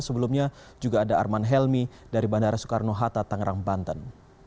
sebelumnya juga ada arman helmi dari bandara soekarno hatta tangerang banten